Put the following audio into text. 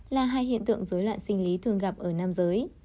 là hai hiện tượng dối loạn sinh lý thường gặp ở nam giới